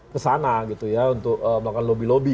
kesana gitu ya untuk melakukan lobby lobby